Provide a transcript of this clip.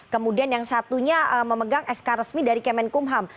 kemudian yang satunya memegang sk resmi dari kemenkumham